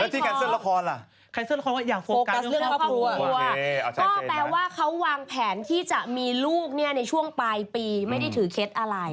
แปลว่าเค้าวางแผนที่จะมีลูกเนี่ยช่วงปลายปีไม่ได้ถือเคสอะไร